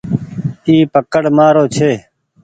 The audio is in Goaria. اي پڪڙ مآرو ڇي ۔